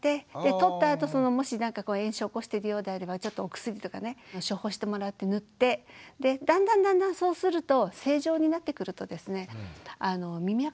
取ったあともしなんか炎症を起こしてるようであればちょっとお薬とかね処方してもらって塗ってでだんだんだんだんそうするとへえ！